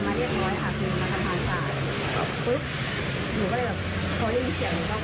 ไม่ได้ติดตามค่ะแล้วคือบ้านก็น่าอยู่มาก